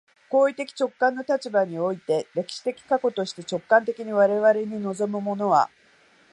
行為的直観の立場において、歴史的過去として、直観的に我々に臨むものは、